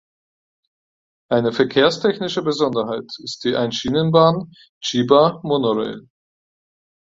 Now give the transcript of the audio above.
Eine verkehrstechnische Besonderheit ist die Einschienenbahn "Chiba Monorail".